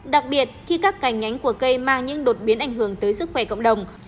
đặc biệt khi các cành nhánh của cây mang những đột biến ảnh hưởng tới sức khỏe cộng đồng